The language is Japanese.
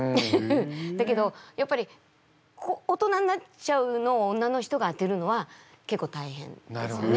だけどやっぱり大人になっちゃうのを女の人が当てるのは結構大変ですね。